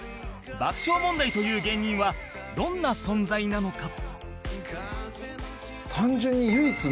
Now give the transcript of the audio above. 爆笑問題という芸人はどんな存在なのか？